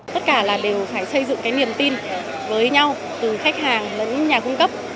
tất cả là đều phải xây dựng cái niềm tin với nhau từ khách hàng lẫn nhà cung cấp